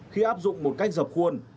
khi áp dụng một cách dập khuôn